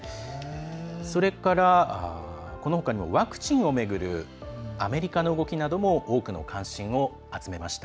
それから、このほかにもワクチンを巡るアメリカの動きなども多くの関心を集めました。